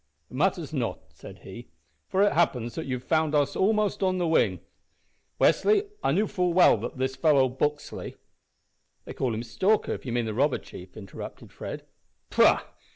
"It matters not," said he, "for it happens that you have found us almost on the wing, Westly. I knew full well that this fellow Buxley " "They call him Stalker, if you mean the robber chief" interrupted Fred. "Pooh!